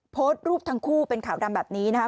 โพสต์รูปทั้งคู่เป็นขาวดำแบบนี้นะคะ